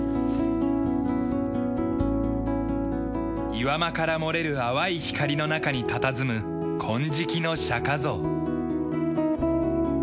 岩間から漏れる淡い光の中にたたずむ金色の釈迦像。